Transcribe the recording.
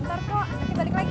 bisa tunggu sebentar kan bang